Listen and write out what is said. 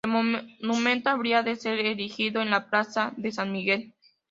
El monumento habría de ser erigido en la plaza de San Miguel.